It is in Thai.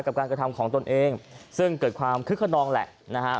กับการกระทำของตนเองซึ่งเกิดความคึกขนองแหละนะฮะ